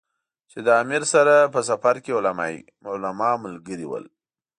چې له امیر سره په سفر کې علما ملګري ول.